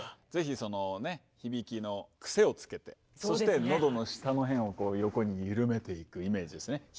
是非そのね響きのクセをつけてそして喉の下の辺をこう横にゆるめていくイメージですね。